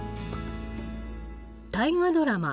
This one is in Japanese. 大河ドラマ